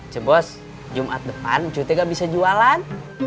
cu bos jumat depan cu tidak bisa jualan